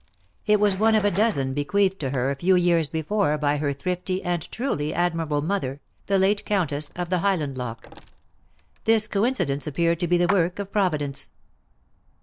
It was one of a dozen bequeathed to her a few years before by her thrifty and truly admirable mother, the late Countess of Highlandloch. This coincidence appeared to be the work of Providence.